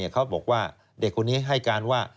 เขาบอกว่าเด็กคนนี้ให้การว่า